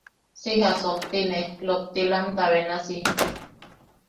Si jasojtine lottilamta benasi.